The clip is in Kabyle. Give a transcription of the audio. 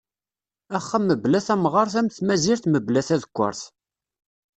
Axxam mebla tamɣert am tmazirt mebla tadekkaṛt.